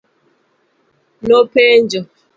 Nopenjo.